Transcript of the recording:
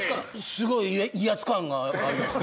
すごい威圧感がある。